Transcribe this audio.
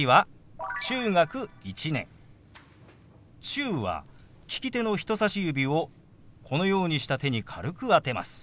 「中」は利き手の人さし指をこのようにした手に軽く当てます。